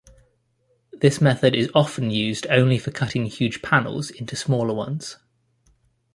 This method is often used only for cutting huge panels into smaller ones.